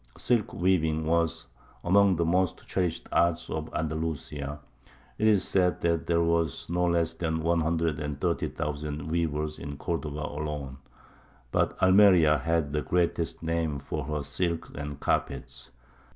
Silk weaving was among the most cherished arts of Andalusia; it is said that there were no less than one hundred and thirty thousand weavers in Cordova alone; but Almeria had the greatest name for her silks and carpets.